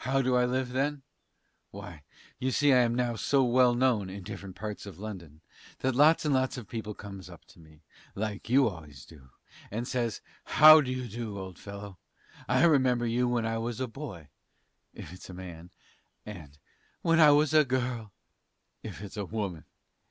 How do I live then? Why, you see I am now so well known in different parts of London, that lots and lots of people comes up to me like you always do and says 'How do you do, old fellow? I remember you when I was a boy, if its a man, and when I was a girl, if its a woman.